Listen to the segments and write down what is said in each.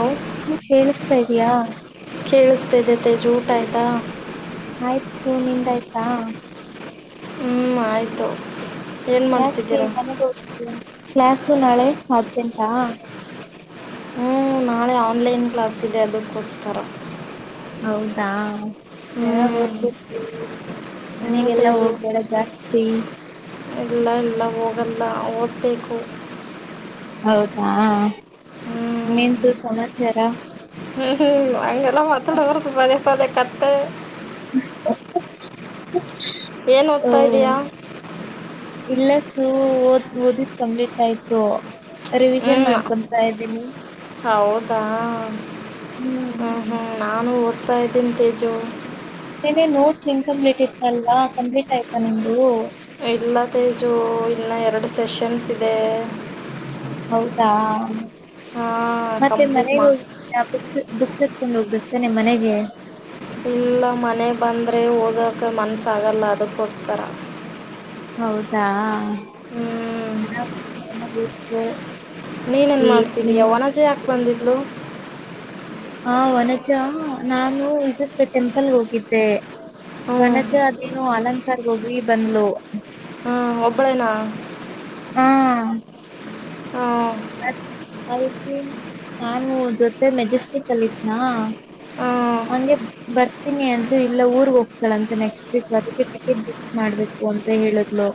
How ನೀ ಕೇೇಳಸ್ತಾ ಇದಯಾ ಕೇಳಿಸ್ತ ಇದೆ ತೇಜು ಊಟ ಆಯ್ತಾ? ಆಯ್ತ್ ಸು, ನಿಂದ್ ಆಯ್ತಾ? ಹ್ಮ್ ಆಯ್ತು ನ ಮ ತು ನಾಳೆ ಮತ್ತೆಂಟಾ. ಹ್ಮ್ ನಾಳೆ ಆನ್ಲೈನ್ ಕ್ಲಾಸ್ ಇದೆ ಅದಕ್ಕೋಸ್ಕರ. ಹೌದಾ ಹ್ಞೂ ಚೆನ್ನಾಗ್ ಓದ್ ಹ್ಞೂ ಮನೆಗೆಲ್ಲಾ ತೇಜು ಹೋಗ್ಬೇಡ ಜಾಸ್ತಿ ಬೇಕು ಹೌದಾ ನೀನ್ ಸು ಸಮಾಚಾರ. ಹ್ಮ್ ಹ್ಮ್ ಅಂಗಲ್ಲಾ ಮತಡ ಬರ ಪದೇ ಪದೇ ಕತ್ತ [inaudible] ಏನ್ ಓ ಓದ್ತಾ ಇದೀಯಾ ಇಲ್ಲ ಸೂ ಓದ್ ಓದಿದ್ ಕಂಪ್ಲೀಟ್ ಆಯ್ತು. ರಿವಿಷನ್ ಹ್ಮ್ ಮಾಡ್ಕೊಂತಾ ಇದ್ದೀನಿ ಹೌದಾ, ಹ್ಮ್ ಹು ಹು ನಾವ್ ಇನ್ನೂ ಓದ್ತ ಇದಿನಿ ತೇಜು ನೆನೆ ನೋಟ್ಸ್ ಇನ್ಕಂಪ್ಲೀಟ್ ಇತಲ್ವಾ ಕಂಪ್ಲೀಟ್ ಆಯ್ತಾ ನಿಮ್ದು ಇಲ್ಲ ತೇಜೂ ಇನ್ನ ಎರಡು ಸೆಷನ್ಸ್ ಇದೆ. ಹೌದಾ ಹಾಂ ಮತ್ತೆ ಕಂಪ್ಲೀಟ್ ಮನೆಗೆ ಮಾ ಹೋಗಿ ಬುಕ್ಸ್ ಬುಕ್ಸ್ ಎತ್ಕೊಂಡ್ ಹೋಗ್ಬೇಕು ನೆ ಮನೆಗೆ ಇಲ್ಲ ಮನೆ ಬಂದ್ರೆ ಓದಕ ಮನಸಾಗಲ್ಲ ಅದಕ್ಕೋಸ್ಕರ ಹೌದಾ ಹ್ಞೂ ಹ ಹ [unintelligible] ಹ್ಮ ನೀನ್ ನ್ ಮಾಡ್ತಿದೀಯಾ ವನಜೆ ಯಾಕ್ ಬಂದಿಲ್ ಹಲೋ ಹಾ ವನಜಾ ನಾನು ಇದುರ್ದು ಟೆಂಪಲ್ಗ್ ಹೋಗಿದ್ದೆ. ಹ್ಞೂ ವನಸ ಅದೇನು ಅಲಂ ಸರ್ ಹೋಗ್ರಿ ಬಂದಲು ಹ್ಞೂ ಒಬ್ಬಳೇನಾ ಹ್ಞೂ ಅ ಅ ನಾನು ಜೊತೆ ಮೆಜೆಸ್ಟಿಕ್ ಅಲ್ಲಿದನಾ ಹ್ಞೂ ಹಂಗೆ ಬರ್ ತೀನಿ ಅಂತ ಇಲ್ಲ ಊರ್ ಹೋಗ್ತಾಳಂತೆ ನೆಕ್ಸ್ಟ್ ವೀಕ್ ಅದಕ್ಕೆ ಟಿಕೆಟ್ ಬುಕ್ ಮಾಡ್ಬೇಕು ಅಂತ ಹೇಳಿದ್ಲು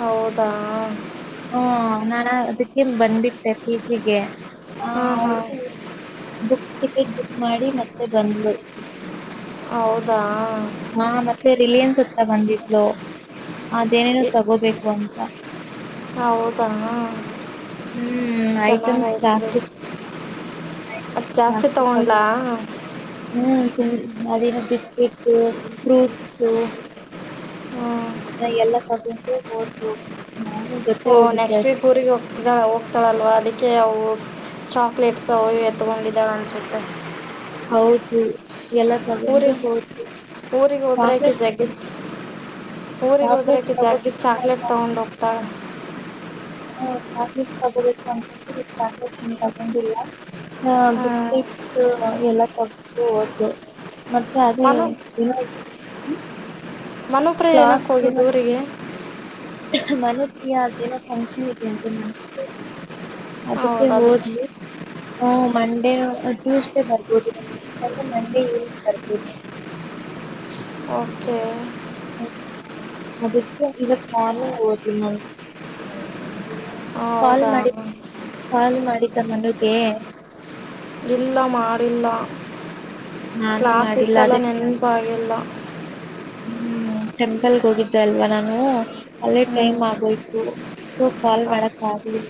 ಹೌದಾ ಅದಕ್ಕೆನ್ ಬಟ್ ಬಂದ್ಬಿಟ್ಟೆ ಪಿ ಜಿ ಗೆ ಹ ಹಾಂ ಹಾಂ ಹೌದು ಬುಕ್ ಟಿಕೆಟ್ ಬುಕ್ ಮಾಡಿ ಮತ್ತೆ ಬಂದ್ಲು ಹೌದಾ ಹಾ ಮತ್ತೆ ರಿಲಯನ್ಸ್ ಹತ್ರ ಬಂದಿದ ಲೋ ಅದೇನೇನೋ ಎ ತಗೋಬೇಕು ಅಂತ ಹೌದಾ ಹ್ಮ್ ಐಟಮ್ಸ್ ಜಾಸ್ತಿ ಅದ್ ಐಟಮ್ಸ್ ಜಾಸ್ತಿ ತಗೊಂಡ್ಲಾ ಹು ಮದಿನ ಬಿಸ್ಕಟ್ ಫ್ರೂಟ್ಸು ಹ್ಮ ನಾ ಎಲ್ಲ ತಗೊಂಡು ಓದ ಓ ನೆಕ್ಸ್ಟ್ ವೀಕ್ ಊರಿಗೆ ಹೋಗ್ತ ಹೋಗ್ತಾಳಲ್ವ ಅದಕ್ಕೆ ಹೌ ಚಾಕಲೇಟ್ ಅವು ಇವು ಎತ್ಕೊಂಡಿದ್ದಾಳೆ ಅನ್ಸುತ್ತೆ ಹೌದು ಎಲ್ಲ ತಗೊಂಡು ಊರಿಗೆ ಹೋದ್ಲು ಊಗರಿಗ್ ಹೋದ್ರಕ ಚಾಕ್ಲೇಟ್ಸ್ ಜಕೆಟ್ ಊರಿಗೆ ಚಾಕ್ಲೇಟ್ಸ್ ಹೋದ್ರಕ ತಗೋ ಜಕೆಟ್ ಚಾಕ್ಲೇಟ್ ಅಂತ ತಗೊಂಡ್ ಹೋಗ್ತಾಳ ಅವರು ಚಾಕ್ಲೇಟ್ಸ್ ತಗೋಬೇಕು [unintelligible] ಅನ್ಕೊಂಡು ಚಾಕ್ಲೇಟ್ಸ್ ತಗೊಂಡಿಲ್ಲ ಹ ಬಿಸ್ಕೆಟ್ಸ್ ಎಲ್ಲ ತಗ ಹೌದು ಮತ್ತೆ ಅದೇ ಮನು ಏನೋ ಮನೋಪ್ರಿಯ ಏನಕ್ಕ ಹೋಗಿದ್ ಊರಿಗೆ ಮನೆಗೆ ಅದ ಏನೋ ಫಂಕ್ಷನ್ ಇದೆ ಅಂತೆ ಮ ಅದಕ್ಕೆ ಒದ್ಲಿ ಮಂಡೇ ಟ್ಯೂಸ್ಡೇ ಬರ್ [unintelligible] ಮಂಡೆ ಈವನಿಂಗ್ ಬರ್ದಿದ್ದು ಓಕೆ ಅದಕ್ಕೆ ಇವತ್ ನಾನೇ ಓದಿನ ಕಾಲ್ ಹೌದಾ ಕಾಲ್ ಮಾಡಿದ ಮನಗೆ ಇಲ್ಲ ಮಾಡಿಲ್ಲ ಕ್ಲಾಸ್ ಇತ್ತಲ್ಲ ಅದಕ್ಕೆ ನೆನ್ಪಾಗಿಿಲ್ಲ ಟೆಂಪಲ್ಗೆ ಹೋಗಿದ್ದ ಅಲ್ವಾ ನಾನು ಅಲ್ಲೇ ಹ್ಞೂ ಟೈಮ್ ಆಗೋಯ್ತು ಸೊ ಕಾಲ್ ಮಾಡಕ್ ಆಗಲಿಲ್ಲ.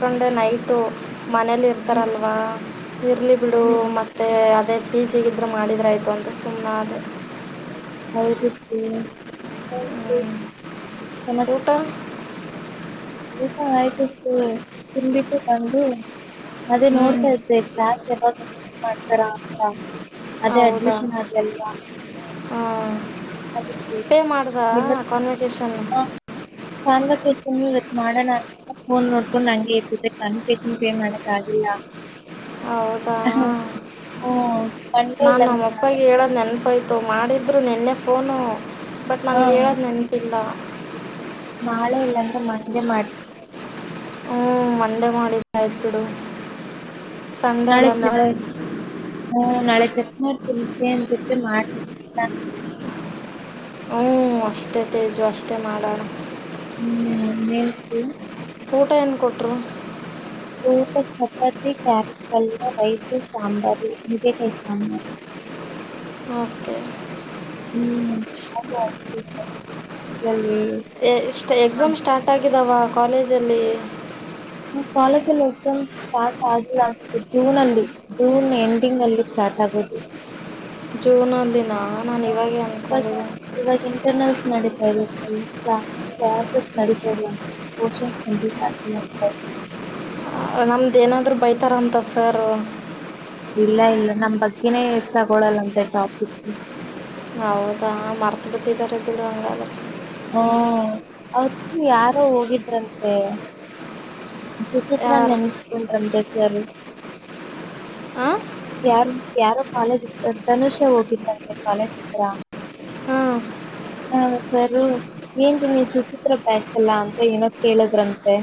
ಅನ್ಕೊಂಡೆ ನೈಟು ಮನೇಲಿ ಇರ್ತಾರಲ್ವಾ ಇರ್ಲಿ ಬಿಡು ಹ್ಮ್ ಮತ್ತೆ ಅದೇ ಈಸಿ ಇದ್ರೆ ಮಾಡಿದ್ರ ಆಯ್ತು ಅಂತ ಸುಮ್ಮ ಅದ ಹ್ಞೂ ಹ ಊಟ? ಊಟ ಆಯ್ತು [inaudible] ತಿಂದ ಬಿಟ್ಟು ಬಂದು ಅದೇ ಹ್ಞೂ ನೋಡ್ತಾ ಇದ್ದೆ [unintelligible] ಮಾಡ್ತಾರಾ ಅಂತ [unintelligible] ಅದೇ ಹೌದಾ ಅಡ್ಮಿಷನ್ ಆಗ್ಲ [inaudible] ಹಾಂ ಪೇ ಮಾಡ್ದ ಕಾನ್ವೋಕೇಶನ್? [unintelligible] ಮಾಡಣ ಅಂತ ಫೋನ್ ನೋಡ್ಕೊಂಡ್ ಅಂಗೆ ಇದ್ಬಿಟ್ಟೆ ಕಾನ್ವೋಕೇಶನ್ ಪೇ ಮಾಡಕ್ ಆಗಿಲ್ಲ. ಹೌದಾ ಹ್ಮ ಮಂಡೆ ನಾನು ಇಲ್ಲಾಂದ್ರೆ ನಾಳೆ ನಮ್ಮಪ್ಪಗೆ ಹೇಳದು ನೆನ್ಪಾಯ ಅದು ಮಾಡಿದ್ರು ನನ್ನೆ ಫೋನು. ಬಟ್ ನನ್ಗ್ ಹಾ ಹೇಳೋದ್ ನೆನ್ಪಿಲ್ಲ ನಾಳೆ ಇಲ್ಲಾಂದ್ರ ಮಂಡೆ ಮಾಡ ಹ್ಮ ಮಂಡೆ ಮಾಡಿದ್ ಆಯಿತು ಬಿಡು. ಸಂಡೇ ನಾಳೆ ಅಲ್ಲ ಚ ಹ್ಮ ನಾಳೆ ಚಕಮಾಡ ಮಾಡ್ ಹ್ಮ ಅಷ್ಟೇ ತೇಜು ಅಷ್ಟೇ ಮಾಡೋಣ ಹ್ಮ್ [inaudible] ಊಟ ಏನು ಕೊಟ್ರು ತು ಚಪ್ಪತಿ ಕ್ಯಾರ ಕಲ್ಲ ರೈಸು ಸಂಬರಿ ಮುಕಸ ಓಕೆ ಹ್ಮ ಎಕ್ಸಾಮ್ ಸ್ಟಾರ್ಟ್ ಆಗ ಅವಾ ಕಾಲೇಜಲ್ಲಿ ಕಾಲೇಜಲ್ಲಿ ಎಕ್ಸಾಮ್ ಸ್ಟಾರ್ಟ್ ಆಗಿಲ್ಲ ಅನ್ಸುತ್ತೆ ಜೂನ್ ಜೂನ್ ಎಂಡಿಂಗ್ ಅಲ್ಲಿ ಸ್ಟಾರ್ಟ್ ಆಗೋದು ಜೂನ್ ಅಲ್ಲಿ ನಾ ನಾನು ಇವಾಗೇ ಇವಾಗ ಅನ್ಕೊಂಡಿದ್ದ ಇವಾಗ ಇಂಟರ್ನಲ್ಸ್ ನಡೀತಾ ಕ್ಲಾಸಸ್ ನಡಿತಾ ಇಲ್ಲ ಪೋಷನ್ ಕಂಪ್ಲೀಟ್ ಆಗಿಲ್ಲ. ನಮ್ದೇನಾದರೂ ಬೈತಾರಂತ ಸರ್, ಇಲ್ಲ ಇಲ್ಲ ನಮ್ ಬಗ್ಗೆನೇ ತಗೊಳಲ್ಲಂತೆ ಟಾಪಿಕ್. ಹೌದಾ ಮರ್ತ್ ಬಿಟ್ಟಿದಾರ ಬೀಡು ಹಂಗದ್ರ ಹ್ಮ ಅವತ್ತು ಯಾರೋ ಹೋಗಿದ್ರಂತೆ ಸುಚಿತ್ರನ್ನ ಯಾರು ನೆಮಿಸಕೊಂಡು ಅಂತಸರು ಹಾಂ ಯಾರು ಯಾರೋ ಕಾಲೇಜ್ ಇದ ತನುಷ್ಯ ಹೋಗಿದ್ದಾರೆ ಕಳತ್ರಾ ಹ್ಮ ಹಾ ಸರ್ ಏನ್ ನೀನ್ ಸುಚಿತ್ರ ಬಯಸ್ಲ್ಲ ಅಂತ ಏನೋ ಕೇಳದ್ರಂತೆ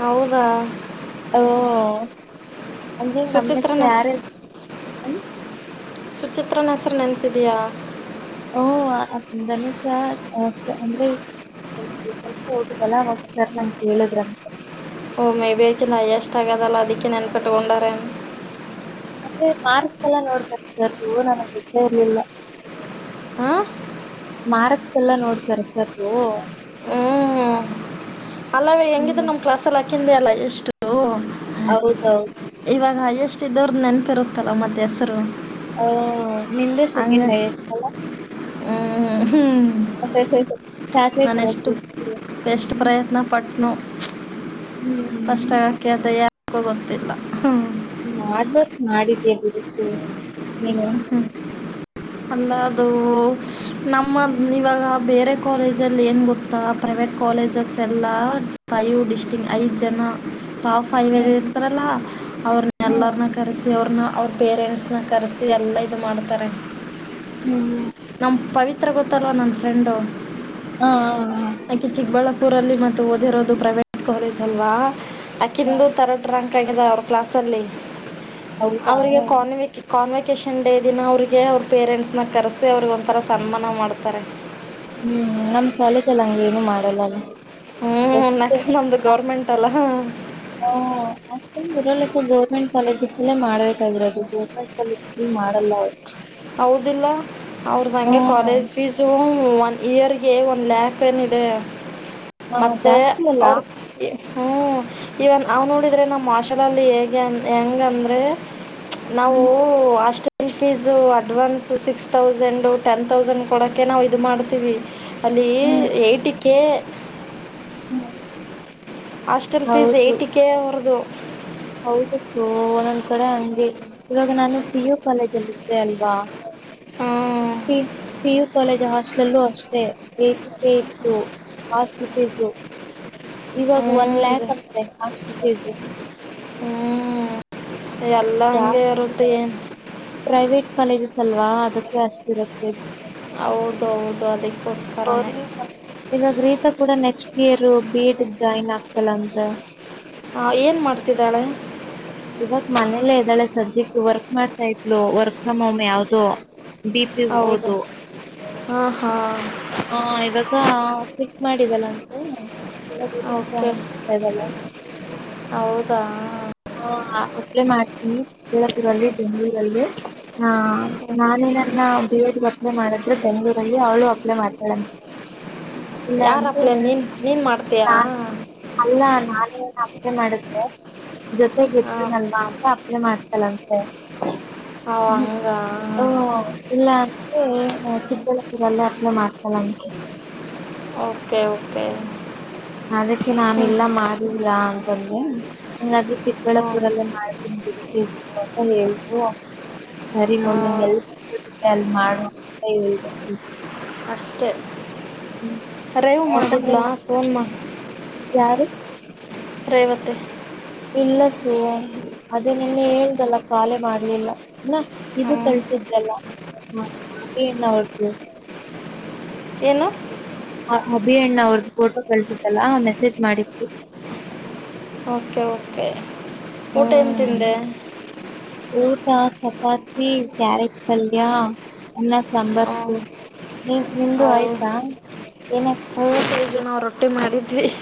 ಹೌದಾ ಅಂದ್ರೆ ನಮ್ಮಷ್ಟ ಸುಚಿತ್ರನ ಯಾರ ಹೆಸ್- ಇ ಹ ಸುಚಿತ್ರನ ಹೆಸರು ನೆನ್ಪಿದಿಯಾ ಓ ಧನುಷ ಅಂದ್ರೆಚ ಹೋಗುದಲ್ಲ ಅವಾಗಸರ್ ನನ್ ಹೇಳಿದ್ರಂತ ಓ ಮೇಬಿ ಐಕ ನೈಯ್ಯ ಎಷ್ಟ ಆಗದ ಅಲ್ಲ ಅದಿಕ್ಕೆ ನೆನ್ಪಟ್ಟುೊಂಡರನ್ ಮೆ ಪಾರ್ಕ್ ಎಲ್ಲ ನೋಡ್ತಾರೆ ಸರ್ ಹವು ನನಗೆ ಗೊತ್ತೇ ಇರ್ಲಿಲ್ಲ ಹಾ ಮಾರ್ಕ್ಸ್ ಎಲ್ಲ ನೋಡ್ತಾರೆ ಸರ್ ಹ್ಞೂ ಅಲ್ಲವೇ ಹೆಂಗಿದ್ರ ಹ್ಮ್ ನಮ್ ಕ್ಲಸ್ಲ್ಲ ಇಲ್ಲಿ ಎಲ್ಲ ಎಷ್ಟು ಹೌದೌದು ಇವಾಗಷ್ಟ ಅಷ್ಟ ಇದವ್ರದ ನೆನಪಿ ಇರುತ್ತಲ್ಲ ಮತ್ತೆ ಹೆಸರು ಹ ನಿಿಂದ ಸೆಕೆಂಡ್ ಆಗಿತ್ತಲ್ಲ ಆ ಹ್ಮ್ ಚಾಕ್ಲೇಟ್ ನಾನೆಷ್ಟು ಹೋಗ್ತಿರ್ತೀವಿ ಬೆಸ್ಟ್ ಪ್ರಯತ್ನ ಪಟ್ನು ಹ್ಮ್ ಪಷ್ಟಟಕ್ಕೆಂತ ಯಾರ ಆ ಗೊತ್ತಿಲ್ಲ ಮಾಡ್ಬೇಕತ್ ಮಾಡಿದ ಎ ನೀನು ಅಲ್ಲದು ನಮ್ಮ ಇವಾಗ ಬೇರೆ ಕಾಲೇಜಲ್ಲಿ ಏನು ಗತ್ತಾ ಪ್ರೈವೇಟ್ ಕಾಲೇಜಸ್ ಎಲ್ಲ ಫೈವ್ ಡಿಸ್ಟಿಂ ಐದು ಜನ ಪಾವು ಫೈದ ಹ್ಮ್ ಇರ್ತಾರಲ್ಲ ಅವ್ರ ಹ್ಮ್ ಎಲ್ಲನ್ನ ಕರೆಸ ಸ ಅವ್ರನ್ನ ಅವ್ರ ಪೇರೆಂಟ್ಸ್ನ್ನ ಕರೆಸಿ ಎಲ್ಲ ಇದು ಮಾಡ್ತಾರೆ ಹ್ಮ್್ಮ ನಮ್ಮ ಪವಿತ್ರ ಗೊತ್ತಲ್ವ ನನ್ನ ಫ್ರೆಂಡು ಹಾ ಹ ಹ ಕೂರಲ್ಲಿ ಮತ್ತು ಓದಿರೋದು ಪ್ರೈವೇಟ್ ಕಾಲೇಜ್ ಅಲ್ವಾ ಆಕಿಂದು ತರ್ಡ್ ರಾಂಕ್ [unintelligible] ಅವ್ರ್ ಕ್ಲಾಸ್ ಅಲ್ಲಿ ಹೌದಾ ಅವರಿಗೆ ಹ್ಮ್ ಕನ ವಿ ಕಮೆಟ್ ವೆಕೇಶನ್ ಡೇ ದಿನ ಅವ್ರಿಗೆ ಅವ್ರ ಪೇರೆಂಟ್ಸ್ನ್ನ ಕರ್ಸಿ ಅವ್ರಿಗ್ ಒಂಥರ ಸನ್ಮಾನ ಮಾಡ್ತಾರೆ. ಹ್ಮ್ ನಮ್ ಕಾಲೇಜಲ್ಲ ಹಂಗ ಏನು ಮಾಡಲ್ಲಲ್ಲ ಹ್ಞೂ ನಕ್ ನಮ್ಮದು ಗೌರ್ಮೆಂಟ್ ಅಲ್ಲ [unintelligible] ಗೌರ್ಮೆಂಟ್ ಕಾಲೇಜ್ ಇಲ್ಲೇ ಮಾಡ್ಬೇಕಾಗಿರೋದು ಗೋರ್ಮೆಂಟಲ್ಲಿ ಮಾಡಲ್ಲ ಅವ್ರು ಹೌದಿಲ್ಲ ಅವ್ರ್ದಂಗೆ ಹ್ಮ್ ಕಾಲೇಜ್ ಫೀಸು ಒನ್ ಇಯರ್ಗೆ ಒಂದ್ ಲ್ಯಾಕ್ ಹಾ [unintelligible] ಮತ್ತೆ ಜಾಸ್ತಿ ಅಲ್ಲ ಅವ್ರ ಹ್ಮ್ ಇವನ್ ನಾವ್ ನೋಡಿದ್ರೆ ನಮ್ಮ್ ಮಾಷೆಲ ಅಲ್ಲಿ ಹೇಗೆ ಹೆಂಗಂದ್ರೆ ನಾವು ಹ್ಮ್ ಅಷ್ಟ ಇಲ್ಫಿಝೋರ್ advance six thousand ten thousand ಕೊಡೋಕ್ಕೆ ನಾವು ಇದು ಮಾಡ್ತೀವಿ ಅಲ್ಲೀ ಹ್ಮ್ ಎಯಿಟಿಕ್ಕೆ ಹ್ಮ್ ಹಾಸ್ಟೆಲ್ ಫೀಸ್ ಏಯ್ಟಿಕೆ ಅವ್ರ್ದು ಹೌದತ್ತುು ಒಂದೊಂದ್ ಕಡೆ ಅಂಗಿ ಇವಾಗ ನಾನು ಪಿ ಯು ಕಾಲೇಜ ಅಲ್ಲಿ ಇದಿದ್ದೆ ಅಲ್ವಾ ಹ್ಞೂ ಪಿ ಪಿಯು ಕಾಲೇಜ್ ಹಾಸ್ಟೆಲ್ಲೂ ಅಷ್ಟೇ [unintelligible] ಇತ್ತು ಹಸ್ಟೆಲ್ [unintelligible] ಇವಾಗ ಹ್ಞೂ ಒನ್ ಜ ಲ್ಯಾಕ್ ಅಂತೆೆ ಅಷ್ಟು ತೇಜು ಹ್ಞೂ ಎಲ್ಲ ಹಂಗೆ ಇರುತ್ತೆ ಪ್ರೈವೇಟ್ ಕಾಲೇಜಸ್ ಅಲ್ವಾ ಅದಕ್ಕೆ ಅಷ್ಟಿರುತ್ತೆ ಹೌದು ಹೌದು ಅದಕ್ಕೋಸ್ಕರನೇ ೇ ರೋ ಬೀಟ್ ಜಾಯಿನ್ ಆಗ್ತಲಂತ ಹಾ ಏನ್ ಮಾಡ್ತಿದ್ದಾಳೆ ಇವಾಗ್ ಮನೇಲ್ಲೇ ಇದ್ದಾಳೆ ಸದ್ಯಕ್ಕೆ ವರ್ಕ್ ಮಾಡ್ತಾ ಇದ್ಲು ವರ್ಕ್ ಫ್ರಮ್ ಹೋಮ್ ಯಾವ್ದೋ ಡಿ ಪಿ ಹೌದು ಹಓದು ಹಾಂ ಹಾಂ ಆ ಇವಾಗ ಕಿಕ್ ಮಾಡಿದಲ್ಲ ಹ ಓಕೆ ಹೌದಾ ಹ ಅಪ್ಲೈ ಮಾಡ್ತೀನವಿ ಕಳ್ಳಾಪುರಲ್ಲಿ ಬೆಂ್ಗಳೂರಲ್ಲಿ ಹಾ ಹ್ಞೂ ನಾನೇನನ್ನ ಬದ [unintelligible] ಬಲೆ ಮಾಡಿದ್ರೆ ಚಂಗೂ ಬಲ್ಲಿಿ ಅವಳು ಅಪ್ಲೈ ಮಾತಾಡಂತ ಇಲ್ಲ ಯಾರು ಅಂದ್ರೆ ಅಪ್ಲೆ ನೀನು ನೀನು ಮಾಡ್ತೀಯಾ ಅಲ್ಲ ನಾನು ದೆ ಮಾಡುತ್ತೆ ಜೊತೆಗಿರ್ ಹಾಂ ತಿನ್ನಲ್ವಾ ಅದಕ್ಕೆ ಅಪ್ಲೈ ಮಾಡಿದೆ ಅಂತೆ ಓ ಅಂ ಹಂಗಾ ಅಂಅಃ ಇಲ್ಲಾಂದ್ರೆ ನೋಡುತ್ತಿದ್ದೆ ವನ್ನೇಪ್ [unintelligible] ಓಕೆ ಓಕೆ ಅದಕ್ಕೆ ನಾನ ಹ್ಞೂ ಎಲ್ಲ ಮಾಡಿಲ್ಲಾ ಅಂತಂದೆ ಹಂಗಾದ್ರೆ ಹ್ಞೂ ಚಿಕ್ಕಬಳ್ಳಾಪುರಲ್ಲೇ ಮಾಡ್ತೀನಿ ಬಿಡು ತಿಳ್ಕೊ ಅಂತ ಹೇಳ್ದೃ ಸರಿ ಮಮ್ಮಿ ಎಲ್ಲಿ ಫ್ರೀ ಸೀಗುತೇ ಅಲ್ಲಿ ಮಾಡು ಅಂತ ಹೇಳ್ದೆ ಅಷ್ಟೇ ಕೆರೈವಾ ಯಾಕಂದ್ರೆ ಮಾಡಿದ್ಲಾ ನಾ ಫೋನ್ ಯಾರು ರೇವತಿ ಇಲ್ಲ ಸು ಅದೇ ನಿನ್ನೆ ಹೇಳಿದ್ದಲ್ಲ ಕಾಲೇ ಮಾಡ್ಲಿಲ್ಲ ಹ ಇದು ಹ್ಞೂ ಕಳ್ಸಿದ್ರಲ್ಲ ಏನ್ ಅವರದು ಏನು ಅಭಿ ಅಣ್ಣಾವ್ರದು ಫೋಟೋ ಕಳ್ಸತ್ತಲ್ಲಾ ಮೆಸೇಜ್ ಮಾಡಿತ್ತು ಓಕೆ ಓಕೆ ಊಟ ಏನ್ ತಿಂದೆ ಹಾ ಚಪಾತಿ ಕ್ಯಾರೆಟ್ ಪಲ್ಯ ಅನ್ನ ಹ್ಞೂ ಸಾಂಬಾರ್ಸ ನಿಮ್ಮದು ಹೌದು ಆಯ್ತಾ ಏನಾಗಬೇಕಿತ್ತು ಹ್ಹ ಹ್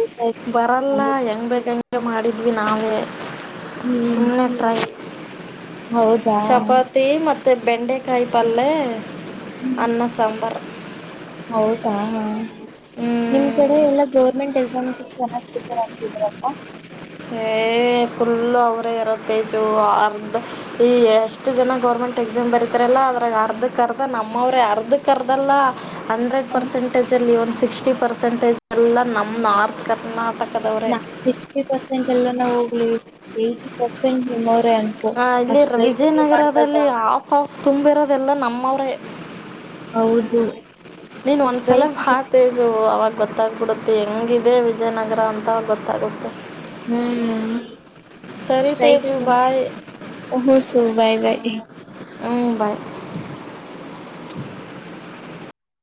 ಊಟ ಆಯ್ತು. ಬರಲ್ಲ ಹೆಂಗ್ ಬೇಕಂಗ್ ಮಾಡಿ ಹೇ ನಾವುವೇ ಹ್ಮ್ ಸುಮ್ನೆ ಟ್ರೈ ಹೌದಾ ಚಪಾತಿ ಮತ್ತ ಮತ್ ಬೆಂಡೆಕಾಯಿ ಪಲ್ಯ ಅನ್ನ ಸಾಂಬಾರ್ ಹೌದಾ ಹಾ ನಿಮ್ ಹ್ಞೂ ನಿಮ್ಮ ಕಡೆಯಲ್ಲ ಗೋರ್ಮೆಂಟ್ ಎಕ್ಸಾಮ್ ಪಿಯುಸಿ ಚೆನ್ನಾಗ್ ಪ್ರಿಪೇರ್ ಆಗ್ತಿದ್ರಪ್ಪ ಹೇ ಹೇ ಫುಲ್ಲು ಅವರೇ ಇರೋದು ತೇಜು ಅರ್ಧ ಈ ಎಷ್ಟು ಜನ ಗೌರ್ಮೆಂಟ್ ಎಕ್ಸಾಮ್ ಬರೀತಾರಲ್ಲ ಅದ್ರಾಗ ಅರ್ಧ,, ಅರ್ಧಕರ್ಧ ನಮೋರೆ ಅರ್ಧಕ್ ಕರೆದಲ್ಲ ಹಂಡ್ರೆಡ್ ಪರ್ಸೆಂಟೇಜ್ಲ ವನ್ ಸಿಕ್ಸ್ ಪರ್ಸೆಂಟೇಜ್ ಎಲ್ಲ ನಮ್ನಾರ್ಥ್ ಕರ್ನಾಟಕ ನ ಸಿಸ್ಟಿ ಪರ್ಸೆಂಟ್ ಎಲ್ಲನ ಹೋಗ್ಲಿ ಎಯಿಟಿ ಪರ್ಸೆಂಟ್ ಅನ್ಕೋ ಹ ಆ ಇಲ್ಲಿ ಸ್ಟ್ರೈಕ್ಗಳು ಮಾಡ್ದಾಗ ವಿಜಯನಗರದಲ್ಲಿ ಆಫ್ ಆಫ್ ತುಂಬಿ ಇರೋದೆಲ್ಲಾ ನಮ್ಮವ್ರೇ ಹೌದು ನೀನ್ ಒಂದ್ಸಲ ಸ್ಟ್ರೈಕ್ ಭಾ ತೇಜು ಅವಾಗ ಗೊತ್ತಾಗ್ಬಿಡುತ್ತೆ ಹೆಂಗಿದೆ ವಿಜಯನಗರ ಅಂತ ಗೊತ್ತಾಗುತ್ತೆ ಹ್ಮ್್ಮ ಸರಿ ತೇಜು ಬಾಯ್ ್ರ ಹ ಸ ಬಾಯ್ ಬಾಯ್ ಅಯ್ಯೋ ಹ್ಮ ಬಾಯ್ ಹ್ಮ್ಮ್